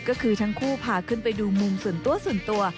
ก็คือทำคู่พาขึ้นไปดูมุมส่วนตัว